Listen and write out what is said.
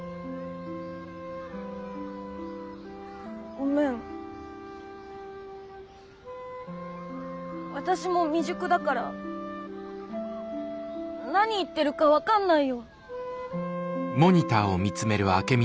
ごめん私も未熟だから何言ってるか分かんないよ。